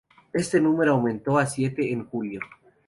Este número aumentó a siete en julio.